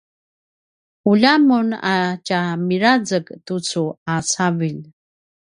ulja mun a tja mirazek tucu a cavilj